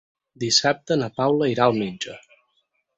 Dissabte na Paula irà al metge.